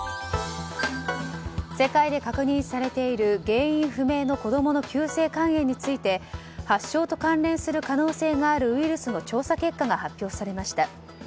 世界で確認されている原因不明の子供の急性肝炎について発症と関連する可能性があるウイルスの調査結果が発表されました。